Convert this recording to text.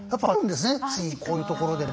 既にこういうところでも。